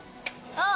あっ！